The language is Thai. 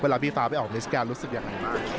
เวลาพี่ฟ้าไปออกเมสแกนรู้สึกอย่างไรบ้าง